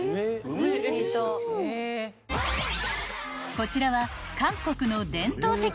［こちらは］